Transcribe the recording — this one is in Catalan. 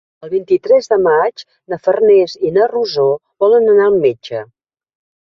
El vint-i-tres de maig na Farners i na Rosó volen anar al metge.